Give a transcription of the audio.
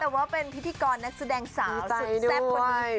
แต่ว่าเป็นพิธีกรนักแสดงสาวสุดท้ายด้วย